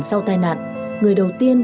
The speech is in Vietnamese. sau tai nạn người đầu tiên